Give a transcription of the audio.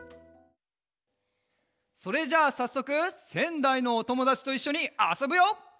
それじゃあさっそくせんだいのおともだちといっしょにあそぶよ！